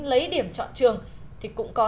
lấy điểm chọn trường thì cũng có